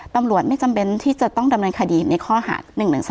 ตำรวจไม่จำเป็นที่จะต้องดำเนินคดีในข้อหา๑๑๒